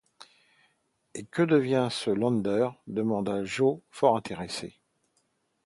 Et que devint ce Lander? demanda Joe fort intéressé.